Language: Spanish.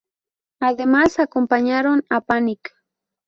Además acompañaron a Panic!